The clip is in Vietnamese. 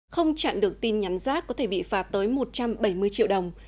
không chặn được tin nhắn rác có thể bị phạt tới một trăm bảy mươi triệu đồng